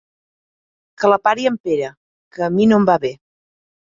Que la pari en Pere, que a mi no em va bé.